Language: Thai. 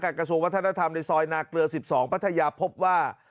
กระทรวงวัฒนธรรมในซอยนาเกลือ๑๒พัทยาพบว่า